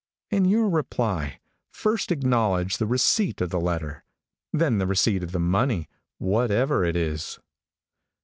In your reply, first acknowledge the receipt of the letter, then the receipt of the money, whatever it is.